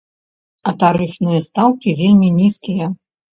А тарыфныя стаўкі вельмі нізкія.